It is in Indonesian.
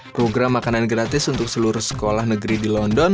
program makanan gratis untuk seluruh sekolah negeri di london